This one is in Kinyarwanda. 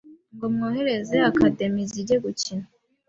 ngo mwohereze Academies zijye gukina